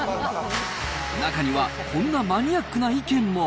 中にはこんなマニアックな意見も。